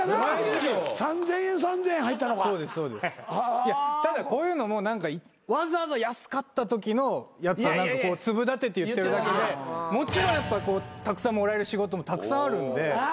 いやただこういうのも何かわざわざ安かったときのやつを粒立てて言ってるだけでもちろんやっぱたくさんもらえる仕事もたくさんあるんでもう正直。